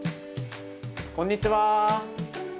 こんにちは。